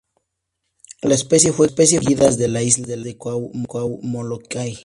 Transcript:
La especie fue extinguidas de las islas de Kauai y Molokai.